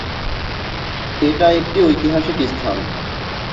এটা একটি ঐতিহাসিক স্থান।